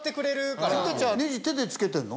君たちはネジ手でつけてるの？